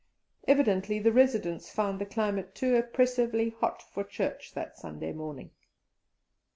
Evidently the residents found the climate too oppressively hot for church that Sunday morning.